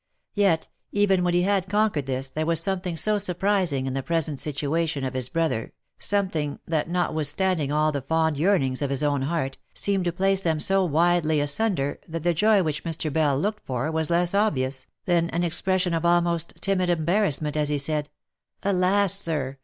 Yet, even when he had conquered this, there was something so surprising in the present situation of his brother, something, that notwithstanding all the fond yearnings of his own heart, seemed to place them so widely asunder, that the joy which Mr. Bell looked for, was less obvious, than an expression of almost timid embarrassment, as he said, "Alas, sir!